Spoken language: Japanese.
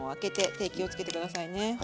手気をつけて下さいね。